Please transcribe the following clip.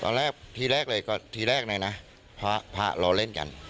ตอนแรกทีแรกเลยก่อนทีแรกในนะพ่อพ่อลองเล่นกัน